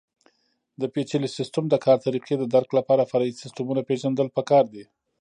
د پېچلي سیسټم د کار طریقې د درک لپاره فرعي سیسټمونه پېژندل پکار دي.